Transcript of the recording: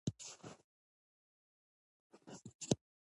ازادي راډیو د د انتخاباتو بهیر په اړه ښوونیز پروګرامونه خپاره کړي.